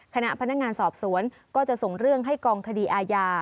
คณะพนักงานสอบสวนก็จะส่งเรื่องให้กองคดีอาญา